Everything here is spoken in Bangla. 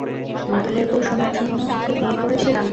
মাতালের বউ শুনার জন্য কি বিয়ে করেছিলাম?